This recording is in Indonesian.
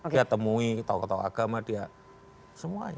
dia temui tokoh tokoh agama dia semuanya